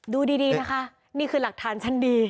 ดูดีนะคะนี่คือหลักฐานชั้นดี